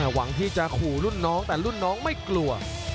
หวังที่จะขู่รุ่นน้องแต่รุ่นน้องไม่กลัว